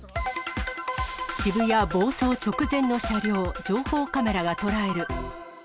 渋谷暴走直前の車両、情報カメラが捉える。